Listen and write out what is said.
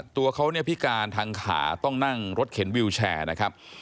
ตัวเขาเนี่ยพิการทางขาต้องนั่งรถเข็นวิวแชร์นะครับ